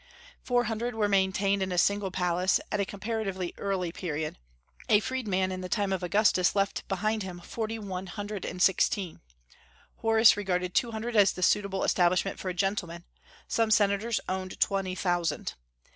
Four hundred were maintained in a single palace, at a comparatively early period; a freedman in the time of Augustus left behind him forty one hundred and sixteen; Horace regarded two hundred as the suitable establishment for a gentleman; some senators owned twenty thousand.